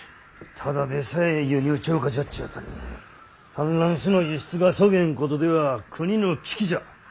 ただでさえ輸入超過じゃっちゅうとに蚕卵紙の輸出がそげんことでは国の危機じゃ！